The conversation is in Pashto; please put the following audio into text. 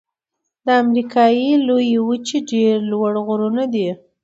د امریکا لویې وچې ډېر لوړ غرونه دي.